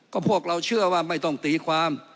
ก็พวกเราเชื่อว่าไม่ต้องตีความ